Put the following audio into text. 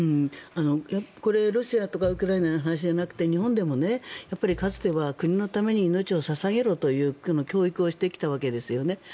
これ、ロシアとかウクライナの話じゃなくて日本でも、かつては国のために命を捧げろという教育をしてきたわけですよね。